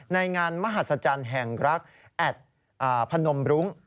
ในงานมหัศจรรย์แห่งรักแอดพนมรุ้ง